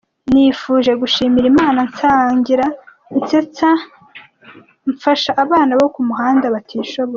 Nifuje gushimira Imana nsangira nsetse mfasha abana bo ku muhanda batishoboye.